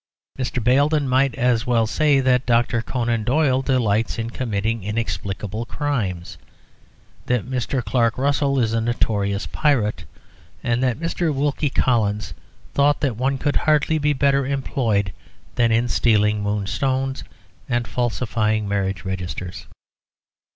Mr. Baildon might as well say that Dr. Conan Doyle delights in committing inexplicable crimes, that Mr. Clark Russell is a notorious pirate, and that Mr. Wilkie Collins thought that one could hardly be better employed than in stealing moonstones and falsifying marriage registers.